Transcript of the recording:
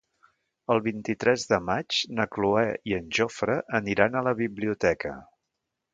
El vint-i-tres de maig na Cloè i en Jofre aniran a la biblioteca.